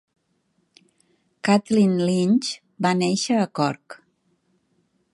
Kathleen Lynch va néixer a Cork.